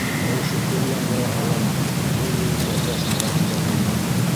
Тауышы көр яңғыраһа ла, был юлы тәҙрә сыңлағандай булманы.